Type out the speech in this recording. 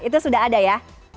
itu sudah ada ya